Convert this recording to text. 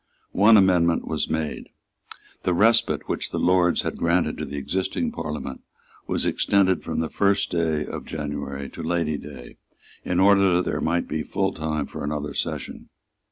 One amendment was made. The respite which the Lords had granted to the existing Parliament was extended from the first of January to Lady Day, in order that there might be full time for another session.